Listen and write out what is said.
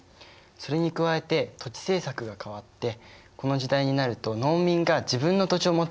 それに加えて土地政策が変わってこの時代になると農民が自分の土地を持てるようになったんだね。